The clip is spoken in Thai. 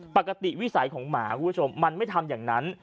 วิสัยของหมาคุณผู้ชมมันไม่ทำอย่างนั้น